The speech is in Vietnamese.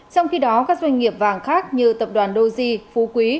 trong khi đó các doanh nghiệp vàng khác như tập đoàn doji phú quý